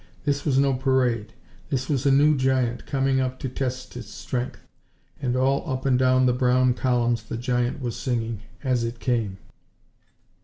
This was no parade; this was a new giant coming up to test its strength. And all up and down the brown columns the giant was singing as it came....